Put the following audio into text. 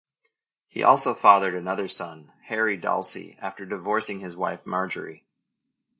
He also fathered another son, Harry Dalsey after divorcing his wife Marjorie.